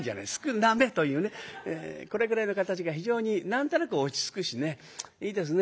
これぐらいの形が非常に何となく落ち着くしねいいですね。